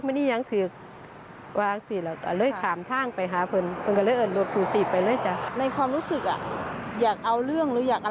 ไม่เห็นอีกอย่างเพราะว่ารู้เรื่อง